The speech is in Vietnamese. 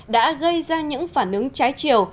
đã gây ra những phản ứng trái chiều